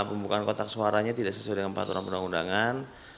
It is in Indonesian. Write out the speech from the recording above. pembukaan kotak suaranya tidak sesuai dengan peraturan perundang undangan